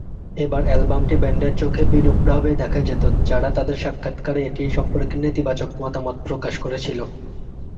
এরপর অ্যালবামটি ব্যান্ডের চোখে বিরূপ ভাবে দেখা হতো, যারা তাদের সাক্ষাৎকারে এটি সম্পর্কে নেতিবাচক মতামত প্রকাশ করেছিল।